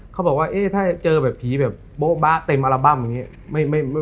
เขาบอกว่าถ้าเจอแบบผีแบบโบ๊บะเต็มอัลบั้มอย่างนี้